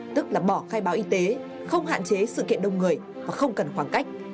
tức là bỏ khai báo y tế không hạn chế sự kiện đông người và không cần khoảng cách